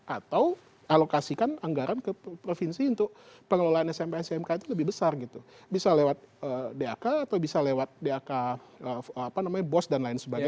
atau alokasikan anggaran ke provinsi untuk pengelolaan smk smk itu lebih besar gitu bisa lewat dak atau bisa lewat dak apa namanya bos dan lain sebagainya